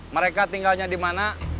mereka tinggalnya dimana